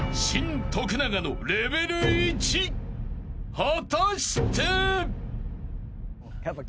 ［果たして？］